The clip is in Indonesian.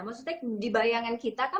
maksudnya dibayangkan kita kan